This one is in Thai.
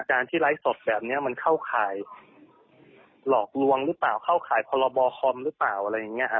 การที่ไลฟ์สดแบบนี้มันเข้าข่ายหลอกลวงหรือเปล่าเข้าข่ายพรบคอมหรือเปล่าอะไรอย่างนี้ฮะ